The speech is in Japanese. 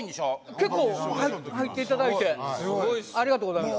結構入っていただいてありがとうございます